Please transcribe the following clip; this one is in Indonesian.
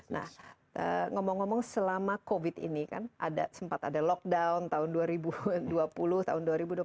nah ngomong ngomong selama covid ini kan ada sempat ada lockdown tahun dua ribu dua puluh tahun dua ribu dua puluh satu